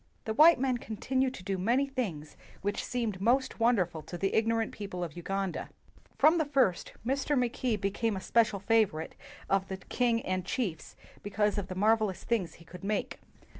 The white men continued to do many things which seemed most wonderful to the ignorant people of Uganda. From the first, Mackay became a special favorite of the king and chiefs because of the marvelous things he could make.